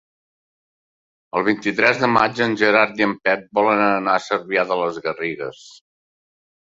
El vint-i-tres de maig en Gerard i en Pep volen anar a Cervià de les Garrigues.